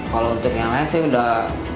kalau untuk yang lain sih udah